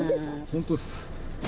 本当です。